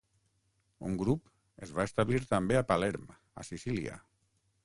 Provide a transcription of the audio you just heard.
Un grup es va establir també a Palerm a Sicília.